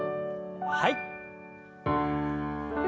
はい。